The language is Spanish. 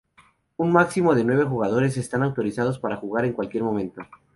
Un máximo de nueve jugadores están autorizados para jugar en cualquier momento.